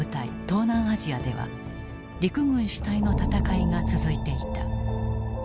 東南アジアでは陸軍主体の戦いが続いていた。